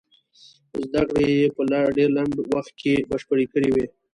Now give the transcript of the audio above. زدکړې يې په يو ډېر لنډ وخت کې بشپړې کړې وې.